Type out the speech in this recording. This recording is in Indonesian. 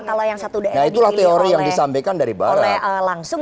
kalau yang satu daerah dipilih oleh langsung